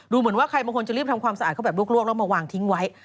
เหมือนว่าใครบางคนจะรีบทำความสะอาดเขาแบบลวกแล้วมาวางทิ้งไว้